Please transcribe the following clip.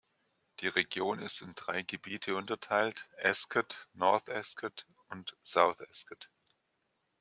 Die Region ist in drei Gebiete unterteilt: Ascot, North Ascot und South Ascot.